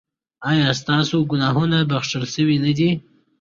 ایا ستاسو ګناهونه بښل شوي نه دي؟